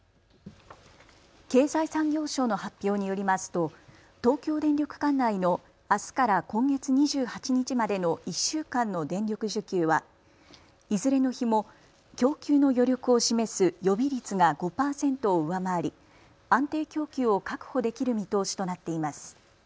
経済産業省の発表によりますと東京電力管内のあすから今月２８日までの１週間の電力需給はいずれの日も供給の余力を示す予備率が５％を上回り安定供給を確保できる見通しとなっています。